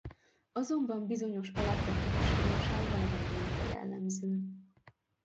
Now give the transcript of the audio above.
Azonban bizonyos alapvető hasonlóság valamennyiükre jellemző.